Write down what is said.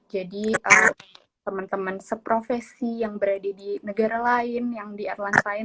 jadi teman teman seprofesi yang berada di negara lain yang di airlines lain